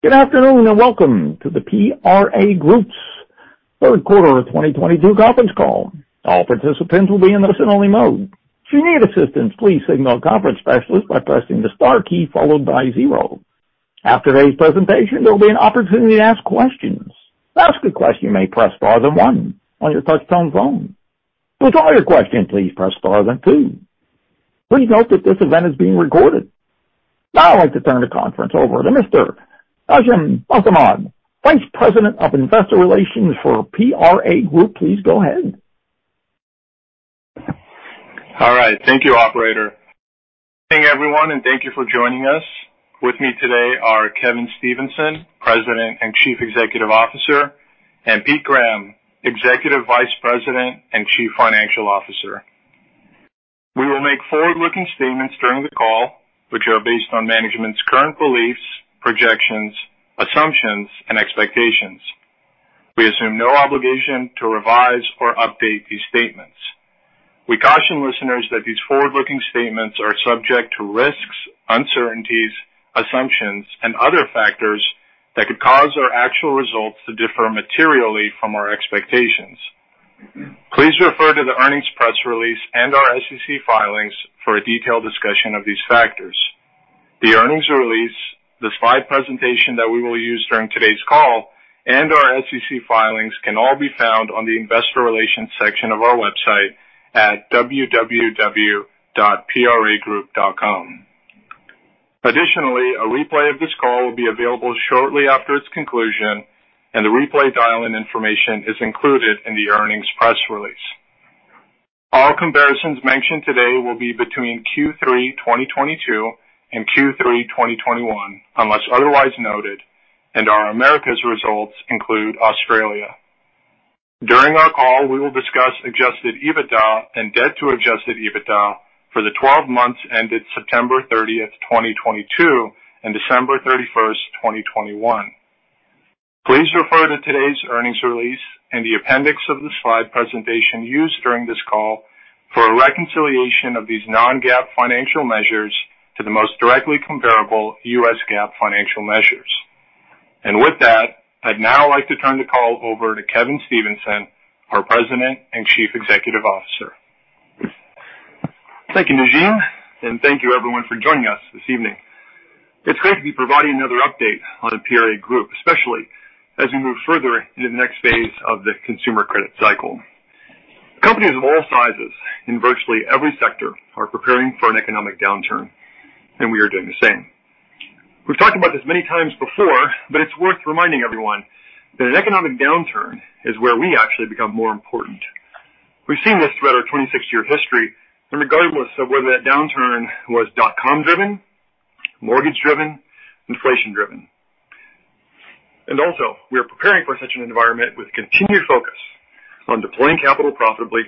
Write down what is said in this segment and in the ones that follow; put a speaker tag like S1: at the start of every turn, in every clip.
S1: Good afternoon, and welcome to the PRA Group's third quarter of 2022 conference call. All participants will be in listen-only mode. If you need assistance, please signal a conference specialist by pressing the star key followed by zero. After today's presentation, there will be an opportunity to ask questions. To ask a question, you may press star then one on your touchtone phone. To withdraw your question, please press star then two. Please note that this event is being recorded. Now I'd like to turn the conference over to Mr. Najim Mostamand, Vice President of Investor Relations for PRA Group. Please go ahead.
S2: All right. Thank you, operator. Good evening, everyone, and thank you for joining us. With me today are Kevin Stevenson, President and Chief Executive Officer, and Peter Graham, Executive Vice President and Chief Financial Officer. We will make forward-looking statements during the call, which are based on management's current beliefs, projections, assumptions, and expectations. We assume no obligation to revise or update these statements. We caution listeners that these forward-looking statements are subject to risks, uncertainties, assumptions, and other factors that could cause our actual results to differ materially from our expectations. Please refer to the earnings press release and our SEC filings for a detailed discussion of these factors. The earnings release, the slide presentation that we will use during today's call, and our SEC filings can all be found on the investor relations section of our website at www.pragroup.com. Additionally, a replay of this call will be available shortly after its conclusion, and the replay dial-in information is included in the earnings press release. All comparisons mentioned today will be between Q3 2022 and Q3 2021, unless otherwise noted, and our Americas results include Australia. During our call, we will discuss Adjusted EBITDA and debt to Adjusted EBITDA for the 12 months ended September 30th, 2022 and December 31st, 2021. Please refer to today's earnings release and the appendix of the slide presentation used during this call for a reconciliation of these non-GAAP financial measures to the most directly comparable U.S. GAAP financial measures. With that, I'd now like to turn the call over to Kevin Stevenson, our President and Chief Executive Officer.
S3: Thank you, Najim, and thank you everyone for joining us this evening. It's great to be providing another update on PRA Group, especially as we move further into the next phase of the consumer credit cycle. Companies of all sizes in virtually every sector are preparing for an economic downturn, and we are doing the same. We've talked about this many times before, but it's worth reminding everyone that an economic downturn is where we actually become more important. We've seen this throughout our 26-year history and regardless of whether that downturn was dotcom driven, mortgage driven, inflation driven. We are preparing for such an environment with continued focus on deploying capital profitably,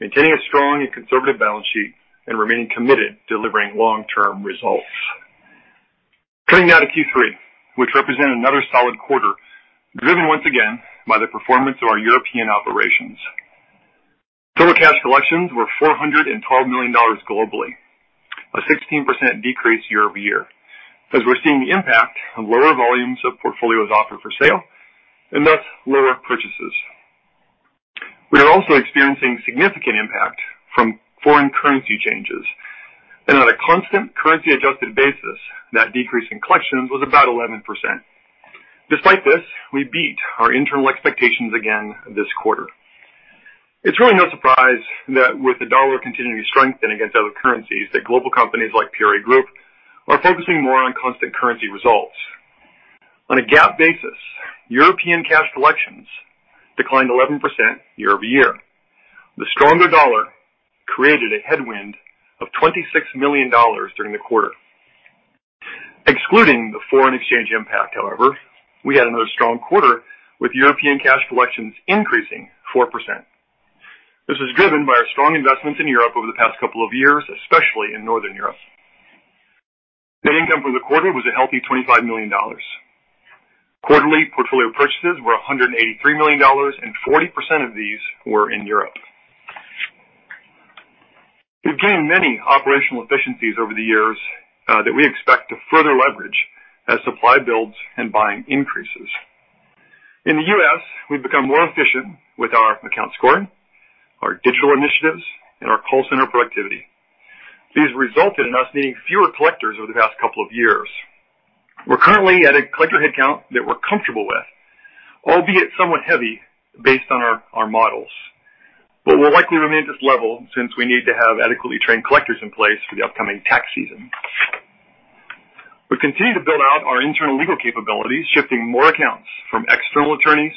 S3: maintaining a strong and conservative balance sheet, and remaining committed delivering long-term results. Getting down to Q3, which represent another solid quarter, driven once again by the performance of our European operations. Total cash collections were $412 million globally, a 16% decrease year-over-year. As we're seeing the impact of lower volumes of portfolios offered for sale and thus lower purchases. We are also experiencing significant impact from foreign currency changes. On a constant currency-adjusted basis, that decrease in collections was about 11%. Despite this, we beat our internal expectations again this quarter. It's really no surprise that with the dollar continuing to strengthen against other currencies, that global companies like PRA Group are focusing more on constant currency results. On a GAAP basis, European cash collections declined 11% year-over-year. The stronger dollar created a headwind of $26 million during the quarter. Excluding the foreign exchange impact, however, we had another strong quarter with European cash collections increasing 4%. This is driven by our strong investments in Europe over the past couple of years, especially in Northern Europe. Net income for the quarter was a healthy $25 million. Quarterly portfolio purchases were $183 million, and 40% of these were in Europe. We've gained many operational efficiencies over the years that we expect to further leverage as supply builds and buying increases. In the U.S., we've become more efficient with our account scoring, our digital initiatives, and our call center productivity. These resulted in us needing fewer collectors over the past couple of years. We're currently at a collector headcount that we're comfortable with, albeit somewhat heavy based on our models. We'll likely remain at this level since we need to have adequately trained collectors in place for the upcoming tax season. We continue to build out our internal legal capabilities, shifting more accounts from external attorneys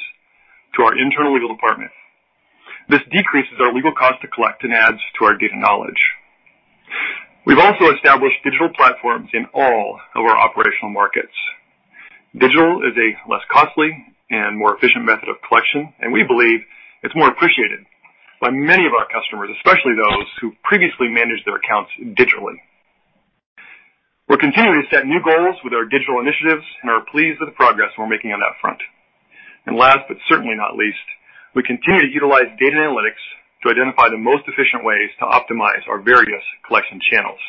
S3: to our internal legal department. This decreases our legal cost to collect and adds to our data knowledge. We've also established digital platforms in all of our operational markets. Digital is a less costly and more efficient method of collection, and we believe it's more appreciated by many of our customers, especially those who previously managed their accounts digitally. We're continuing to set new goals with our digital initiatives and are pleased with the progress we're making on that front. Last, but certainly not least, we continue to utilize data analytics to identify the most efficient ways to optimize our various collection channels.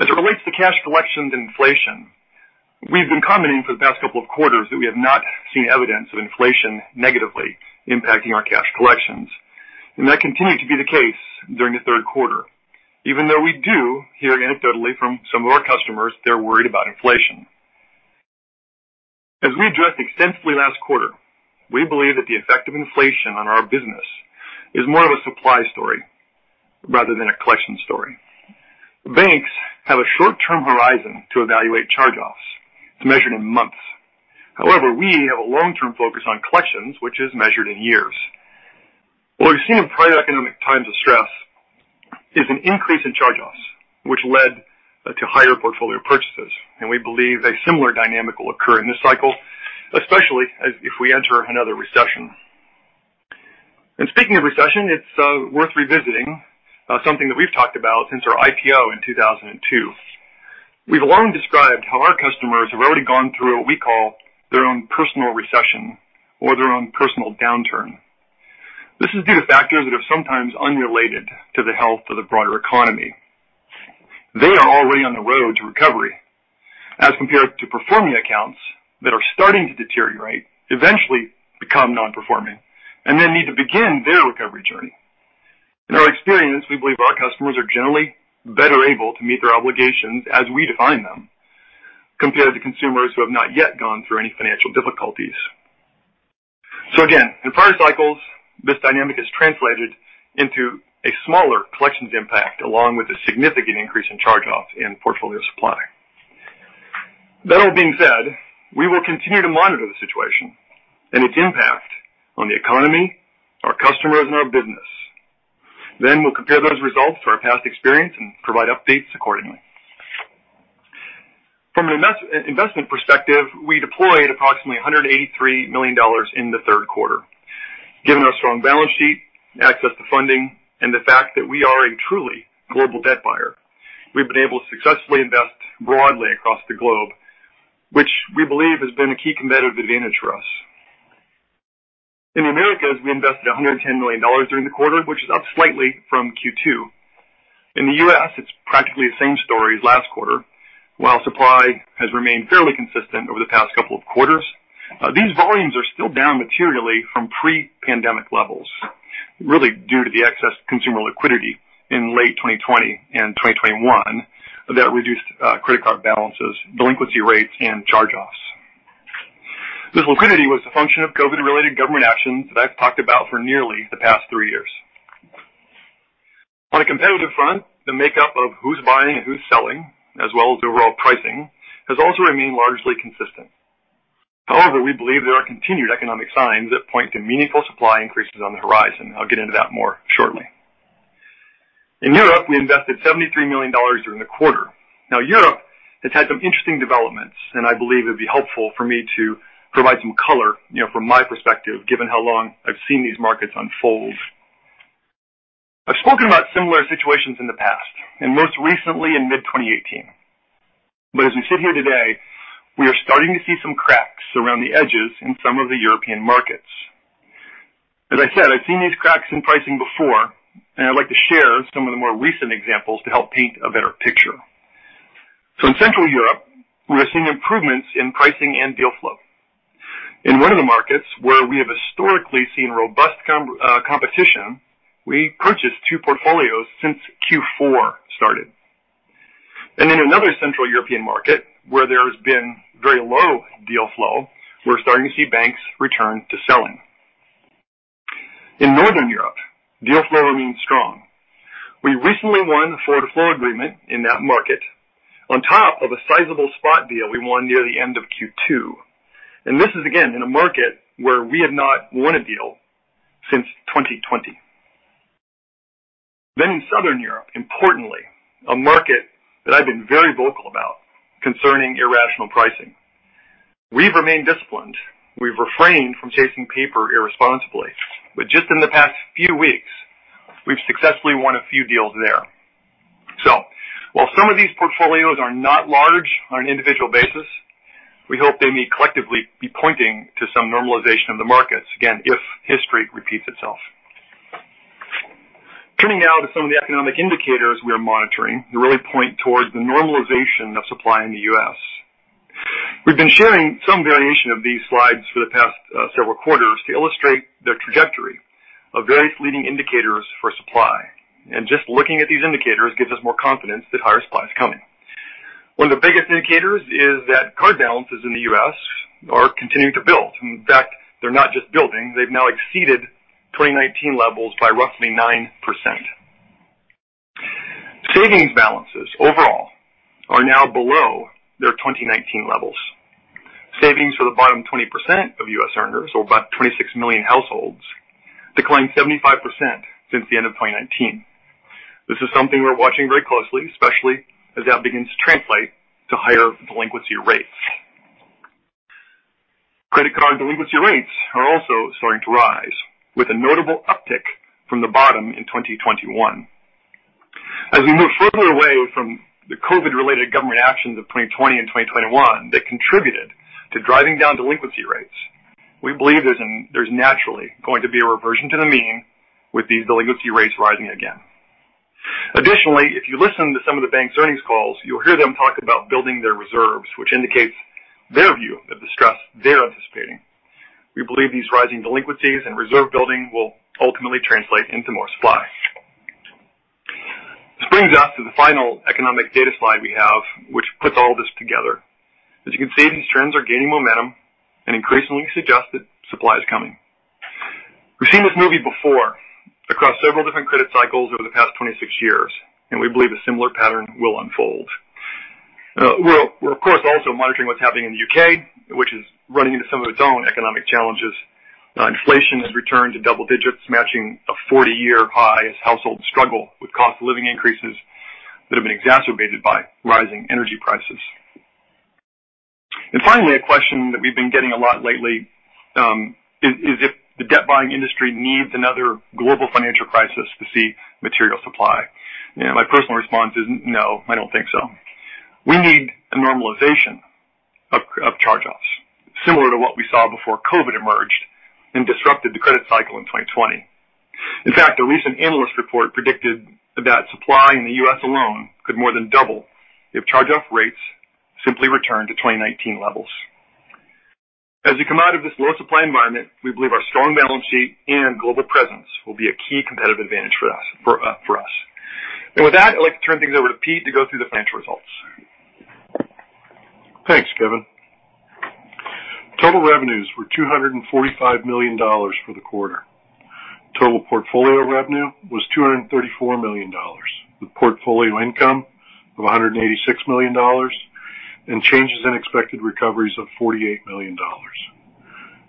S3: As it relates to cash collections inflation, we've been commenting for the past couple of quarters that we have not seen evidence of inflation negatively impacting our cash collections. That continued to be the case during the third quarter. Even though we do hear anecdotally from some of our customers they're worried about inflation. As we addressed extensively last quarter, we believe that the effect of inflation on our business is more of a supply story rather than a collection story. Banks have a short-term horizon to evaluate charge-offs. It's measured in months. However, we have a long-term focus on collections, which is measured in years. What we've seen in prior economic times of stress is an increase in charge-offs, which led to higher portfolio purchases. We believe a similar dynamic will occur in this cycle, especially as if we enter another recession. Speaking of recession, it's worth revisiting something that we've talked about since our IPO in 2002. We've long described how our customers have already gone through what we call their own personal recession or their own personal downturn. This is due to factors that are sometimes unrelated to the health of the broader economy. They are already on the road to recovery, as compared to performing accounts that are starting to deteriorate, eventually become nonperforming, and then need to begin their recovery journey. In our experience, we believe our customers are generally better able to meet their obligations as we define them, compared to consumers who have not yet gone through any financial difficulties. Again, in prior cycles, this dynamic has translated into a smaller collections impact, along with a significant increase in charge-offs in portfolio supply. That all being said, we will continue to monitor the situation and its impact on the economy, our customers and our business. We'll compare those results to our past experience and provide updates accordingly. From an investment perspective, we deployed approximately $183 million in the third quarter. Given our strong balance sheet, access to funding, and the fact that we are a truly global debt buyer, we've been able to successfully invest broadly across the globe, which we believe has been a key competitive advantage for us. In the Americas, we invested $110 million during the quarter, which is up slightly from Q2. In the U.S., it's practically the same story as last quarter. While supply has remained fairly consistent over the past couple of quarters, these volumes are still down materially from pre-pandemic levels, really due to the excess consumer liquidity in late 2020 and 2021 that reduced credit card balances, delinquency rates, and charge-offs. This liquidity was a function of COVID-related government actions that I've talked about for nearly the past three years. On a competitive front, the makeup of who's buying and who's selling, as well as the overall pricing, has also remained largely consistent. However, we believe there are continued economic signs that point to meaningful supply increases on the horizon. I'll get into that more shortly. In Europe, we invested $73 million during the quarter. Now, Europe has had some interesting developments, and I believe it'd be helpful for me to provide some color, you know, from my perspective, given how long I've seen these markets unfold. I've spoken about similar situations in the past, and most recently in mid-2018. As we sit here today, we are starting to see some cracks around the edges in some of the European markets. As I said, I've seen these cracks in pricing before, and I'd like to share some of the more recent examples to help paint a better picture. In Central Europe, we are seeing improvements in pricing and deal flow. In one of the markets where we have historically seen robust competition, we purchased two portfolios since Q4 started. In another Central European market where there's been very low deal flow, we're starting to see banks return to selling. In Northern Europe, deal flow remains strong. We recently won a forward-flow agreement in that market on top of a sizable spot deal we won near the end of Q2. This is again in a market where we have not won a deal since 2020. In Southern Europe, importantly, a market that I've been very vocal about concerning irrational pricing. We've remained disciplined. We've refrained from chasing paper irresponsibly. Just in the past few weeks, we've successfully won a few deals there. While some of these portfolios are not large on an individual basis, we hope they may collectively be pointing to some normalization of the markets, again, if history repeats itself. Turning now to some of the economic indicators we are monitoring that really point towards the normalization of supply in the U.S. We've been sharing some variation of these slides for the past several quarters to illustrate the trajectory of various leading indicators for supply. Just looking at these indicators gives us more confidence that higher supply is coming. One of the biggest indicators is that card balances in the U.S. are continuing to build. In fact, they're not just building. They've now exceeded 2019 levels by roughly 9%. Savings balances overall are now below their 2019 levels. Savings for the bottom 20% of U.S. earners, or about 26 million households, declined 75% since the end of 2019. This is something we're watching very closely, especially as that begins to translate to higher delinquency rates. Credit card delinquency rates are also starting to rise, with a notable uptick from the bottom in 2021. As we move further away from the COVID-19-related government actions of 2020 and 2021 that contributed to driving down delinquency rates, we believe there's naturally going to be a reversion to the mean with these delinquency rates rising again. Additionally, if you listen to some of the bank's earnings calls, you'll hear them talk about building their reserves, which indicates their view of the stress they're anticipating. We believe these rising delinquencies and reserve building will ultimately translate into more supply. This brings us to the final economic data slide we have, which puts all this together. As you can see, these trends are gaining momentum and increasingly suggest that supply is coming. We've seen this movie before across several different credit cycles over the past 26 years, and we believe a similar pattern will unfold. We're of course also monitoring what's happening in the U.K., which is running into some of its own economic challenges. Inflation has returned to double digits, matching a 40-year high as households struggle with cost of living increases that have been exacerbated by rising energy prices. Finally, a question that we've been getting a lot lately is if the debt buying industry needs another global financial crisis to see material supply. My personal response is no, I don't think so. We need a normalization of charge-offs similar to what we saw before COVID emerged and disrupted the credit cycle in 2020. In fact, a recent analyst report predicted that supply in the U.S. alone could more than double if charge-off rates simply return to 2019 levels. As we come out of this low supply environment, we believe our strong balance sheet and global presence will be a key competitive advantage for us. With that, I'd like to turn things over to Pete to go through the financial results.
S4: Thanks, Kevin. Total revenues were $245 million for the quarter. Total portfolio revenue was $234 million, with portfolio income of $186 million and changes in expected recoveries of $48 million.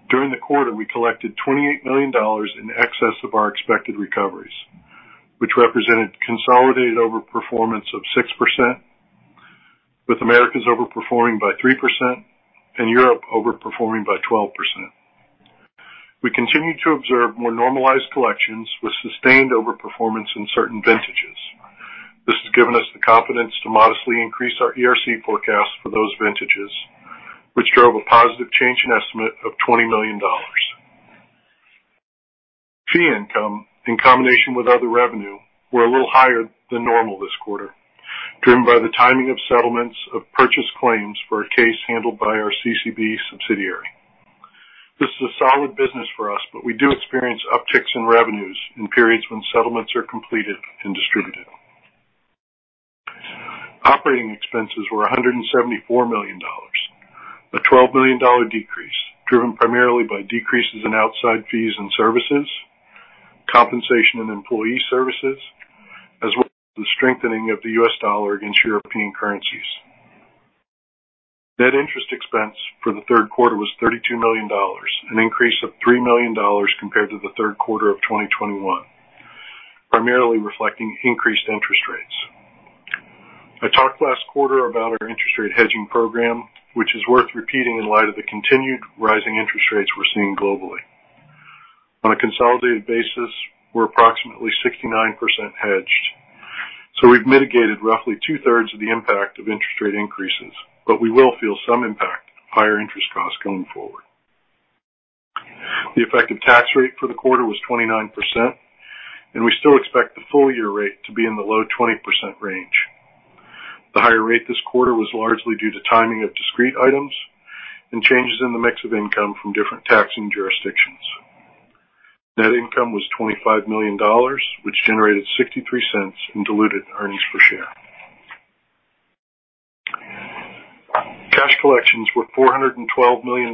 S4: During the quarter, we collected $28 million in excess of our expected recoveries, which represented consolidated overperformance of 6%, with Americas overperforming by 3% and Europe overperforming by 12%. We continue to observe more normalized collections with sustained overperformance in certain vintages. This has given us the confidence to modestly increase our ERC forecast for those vintages, which drove a positive change in estimate of $20 million. Fee income, in combination with other revenue, were a little higher than normal this quarter, driven by the timing of settlements of purchase claims for a case handled by our CCB subsidiary. This is a solid business for us, but we do experience upticks in revenues in periods when settlements are completed and distributed. Operating expenses were $174 million, a $12 million decrease driven primarily by decreases in outside fees and services, compensation and employee services, as well as the strengthening of the U.S. dollar against European currencies. Net interest expense for the third quarter was $32 million, an increase of $3 million compared to the third quarter of 2021, primarily reflecting increased interest rates. I talked last quarter about our interest rate hedging program, which is worth repeating in light of the continued rising interest rates we're seeing globally. On a consolidated basis, we're approximately 69% hedged, so we've mitigated roughly two-thirds of the impact of interest rate increases, but we will feel some impact of higher interest costs going forward. The effective tax rate for the quarter was 29%, and we still expect the full year rate to be in the low 20% range. The higher rate this quarter was largely due to timing of discrete items and changes in the mix of income from different taxing jurisdictions. Net income was $25 million, which generated $0.63 in diluted earnings per share. Cash collections were $412 million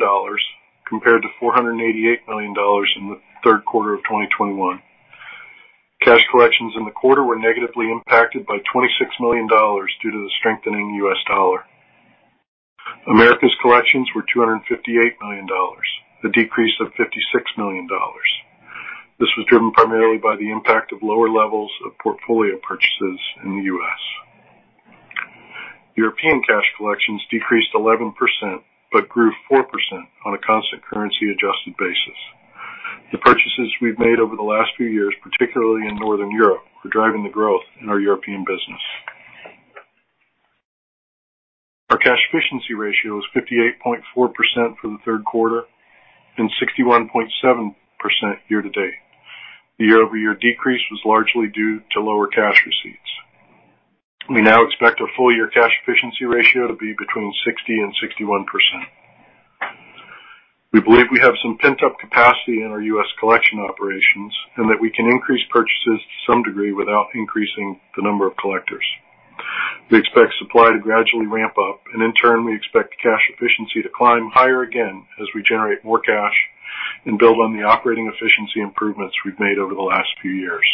S4: compared to $488 million in the third quarter of 2021. Cash collections in the quarter were negatively impacted by $26 million due to the strengthening U.S. dollar. Americas collections were $258 million, a decrease of $56 million. This was driven primarily by the impact of lower levels of portfolio purchases in the U.S. European cash collections decreased 11%, but grew 4% on a constant currency adjusted basis. The purchases we've made over the last few years, particularly in Northern Europe, are driving the growth in our European business. Our cash efficiency ratio is 58.4% for the third quarter and 61.7% year-to-date. The year-over-year decrease was largely due to lower cash receipts. We now expect our full year cash efficiency ratio to be between 60% and 61%. We believe we have some pent-up capacity in our U.S. collection operations, and that we can increase purchases to some degree without increasing the number of collectors. We expect supply to gradually ramp up, and in turn, we expect cash efficiency to climb higher again as we generate more cash and build on the operating efficiency improvements we've made over the last few years.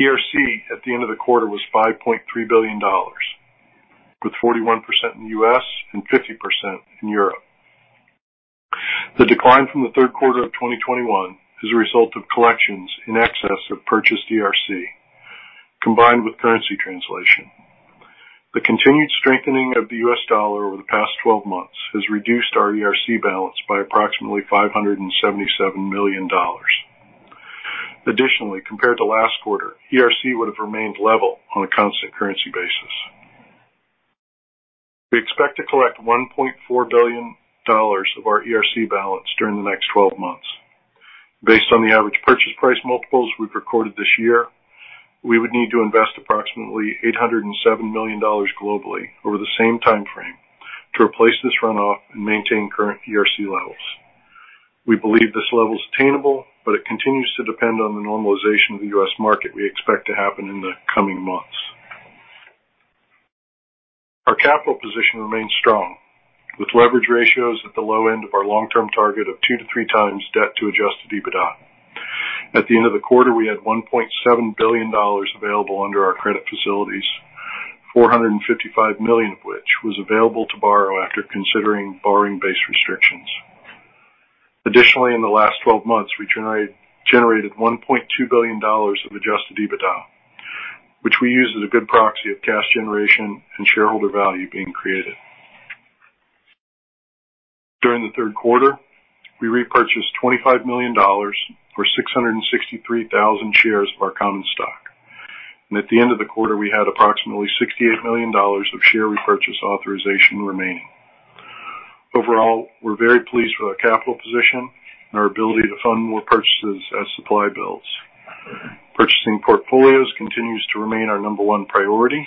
S4: ERC at the end of the quarter was $5.3 billion, with 41% in U.S. and 50% in Europe. The decline from the third quarter of 2021 is a result of collections in excess of purchased ERC combined with currency translation. The continued strengthening of the U.S. dollar over the past twelve months has reduced our ERC balance by approximately $577 million. Additionally, compared to last quarter, ERC would have remained level on a constant currency basis. We expect to collect $1.4 billion of our ERC balance during the next 12 months. Based on the average purchase price multiples we've recorded this year, we would need to invest approximately $807 million globally over the same time frame to replace this runoff and maintain current ERC levels. We believe this level is attainable, but it continues to depend on the normalization of the US market we expect to happen in the coming months. Our capital position remains strong, with leverage ratios at the low end of our long term target of 2-3 times debt to Adjusted EBITDA. At the end of the quarter, we had $1.7 billion available under our credit facilities, $455 million of which was available to borrow after considering borrowing base restrictions. Additionally, in the last 12 months, we generated $1.2 billion of Adjusted EBITDA, which we use as a good proxy of cash generation and shareholder value being created. During the third quarter, we repurchased $25 million or 663,000 shares of our common stock, and at the end of the quarter, we had approximately $68 million of share repurchase authorization remaining. Overall, we're very pleased with our capital position and our ability to fund more purchases as supply builds. Purchasing portfolios continues to remain our number one priority,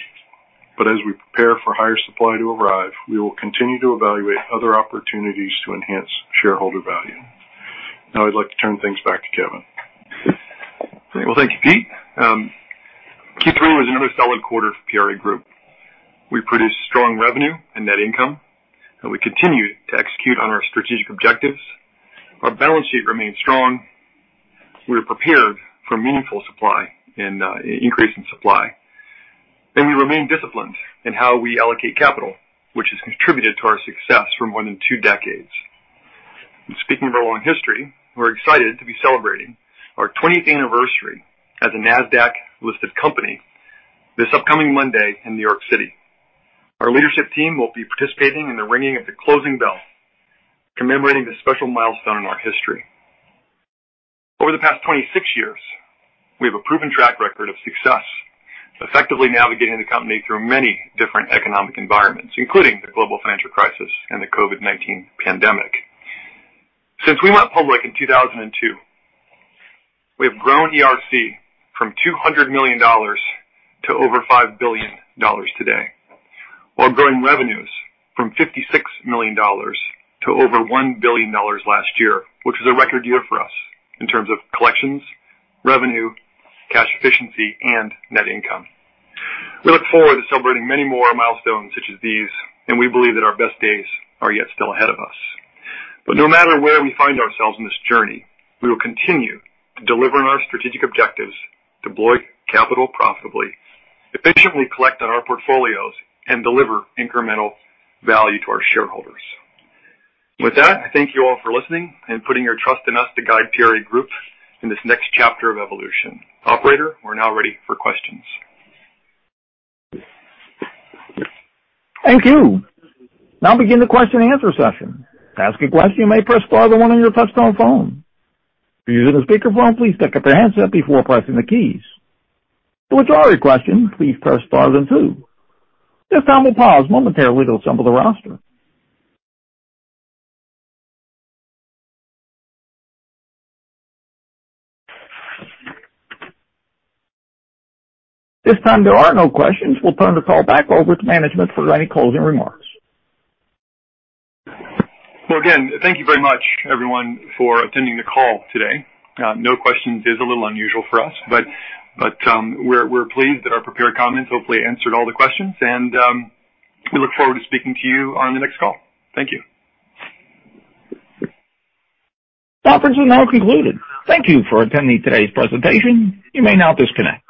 S4: but as we prepare for higher supply to arrive, we will continue to evaluate other opportunities to enhance shareholder value. Now, I'd like to turn things back to Kevin.
S3: Well, thank you, Pete. Q3 was another solid quarter for PRA Group. We produced strong revenue and net income, and we continue to execute on our strategic objectives. Our balance sheet remains strong. We are prepared for meaningful supply and increase in supply. We remain disciplined in how we allocate capital, which has contributed to our success for more than two decades. Speaking of our long history, we're excited to be celebrating our 20th anniversary as a Nasdaq-listed company this upcoming Monday in New York City. Our leadership team will be participating in the ringing of the closing bell commemorating this special milestone in our history. Over the past 26 years, we have a proven track record of success, effectively navigating the company through many different economic environments, including the global financial crisis and the COVID-19 pandemic. Since we went public in 2002, we have grown ERC from $200 million to over $5 billion today, while growing revenues from $56 million to over $1 billion last year, which is a record year for us in terms of collections, revenue, cash efficiency, and net income. We look forward to celebrating many more milestones such as these, and we believe that our best days are yet still ahead of us. No matter where we find ourselves in this journey, we will continue to deliver on our strategic objectives, deploy capital profitably, efficiently collect on our portfolios, and deliver incremental value to our shareholders. With that, I thank you all for listening and putting your trust in us to guide PRA Group in this next chapter of evolution. Operator, we're now ready for questions.
S1: Thank you. Now begin the question-and-answer session. To ask a question, you may press star then one on your touchtone phone. If you're using a speakerphone, please pick up your handset before pressing the keys. To withdraw your question, please press star then two. This time we'll pause momentarily to assemble the roster. This time there are no questions. We'll turn the call back over to management for any closing remarks.
S3: Again, thank you very much everyone for attending the call today. No questions is a little unusual for us, but we're pleased that our prepared comments hopefully answered all the questions, and we look forward to speaking to you on the next call. thank you.
S1: Conference is now concluded. Thank you for attending today's presentation. You may now disconnect.